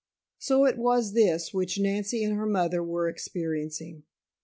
So it was this which Nancy and her mother were experiencing.